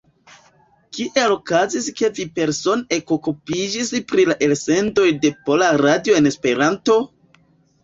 Kiel okazis ke vi persone ekokupiĝis pri la elsendoj de Pola Radio en Esperanto?